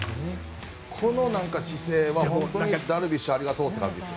この姿勢は本当にダルビッシュありがとうっていう感じです。